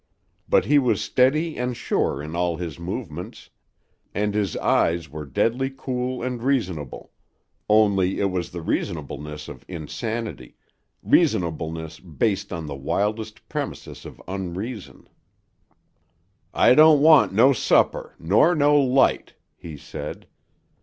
But he was steady and sure in all his movements and his eyes were deadly cool and reasonable only it was the reasonableness of insanity, reasonableness based on the wildest premises of unreason. "I don't want no supper, nor no light," he said.